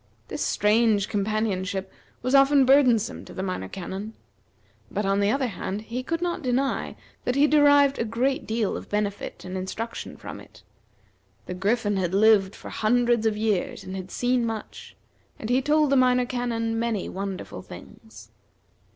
This strange companionship was often burdensome to the Minor Canon; but, on the other hand, he could not deny that he derived a great deal of benefit and instruction from it. The Griffin had lived for hundreds of years, and had seen much; and he told the Minor Canon many wonderful things.